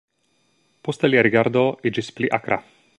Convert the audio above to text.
Poste lia rigardo iĝis pli akra.